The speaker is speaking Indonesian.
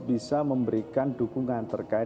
bisa memberikan dukungan terkait